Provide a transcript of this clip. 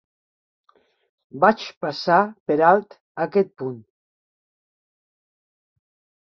Vaig passar per alt aquest punt.